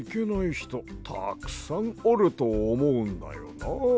ひとたくさんおるとおもうんだよな。